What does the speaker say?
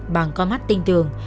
bằng có mắt tinh tường